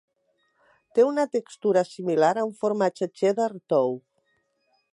Té una textura similar a un formatge cheddar tou.